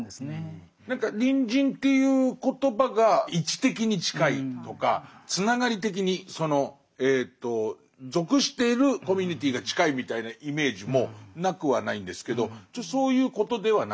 何か隣人っていう言葉が位置的に近いとかつながり的にその属しているコミュニティーが近いみたいなイメージもなくはないんですけどちょっとそういうことではないですね。